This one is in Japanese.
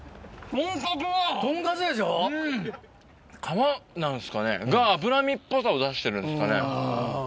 皮なんすかねが脂身っぽさを出してるんですかね。